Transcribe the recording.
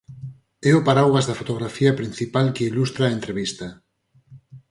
É o paraugas da fotografía principal que ilustra a entrevista.